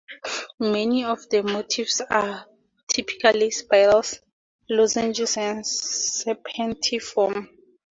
Many of the motifs are typical: spirals, lozenges and serpentiform.